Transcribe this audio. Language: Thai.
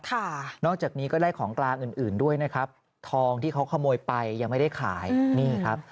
นอกจากนี้ก็ได้ของกลางอื่นอื่นด้วยนะครับทองที่เขาขโมยไปยังไม่ได้ขายนี่ครับ